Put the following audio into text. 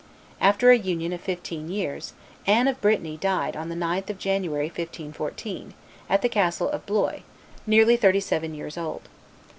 After a union of fifteen years, Anne of Brittany died on the 9th of January, 1514, at the castle of Blois, nearly thirty seven years old.